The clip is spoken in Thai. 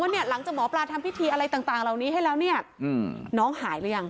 ว่าเนี่ยหลังจากหมอปลาทำพิธีอะไรต่างเหล่านี้ให้แล้วเนี่ย